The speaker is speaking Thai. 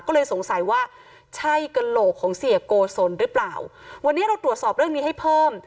ก็เลยสงสัยว่าใช่กระโหลกของเสียโกศลหรือเปล่าวันนี้เราตรวจสอบเรื่องนี้ให้เพิ่ม